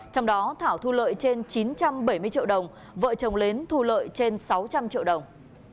trong đó thảo thu lợi trên chín trăm bảy mươi triệu đồng vợ chồng lớn thu lợi trên sáu trăm linh triệu đồng